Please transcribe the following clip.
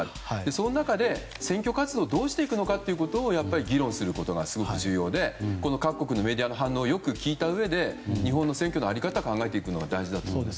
その中で選挙活動どうしていくかというのを議論することが重要で各国のメディアの反応をよく聞いたうえで日本の選挙の在り方を考えていくのが大事だと思います。